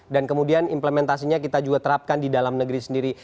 dan kemudian implementasinya kita juga terapkan di dalam negeri sendiri